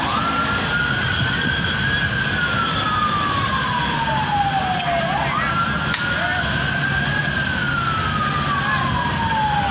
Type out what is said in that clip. ยังไม่ทราบสายเหนียวเลยนะคะว่าเกิดจากอะไรแต่ว่าไฟมันลุกไหม้ทั่วมอเตอร์ไซค่ะ